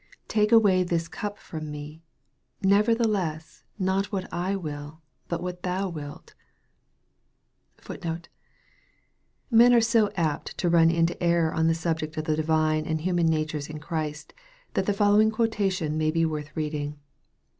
" Take away this cup from me : nevertheless not what I will, but what thou wilt."* * Men are so apt to run into error on the subject of the divine and human natures in Christ, that the following quotation may be worth reading.